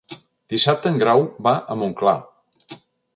Dissabte en Grau va a Montclar.